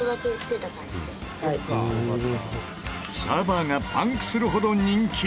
サーバーがパンクするほど人気！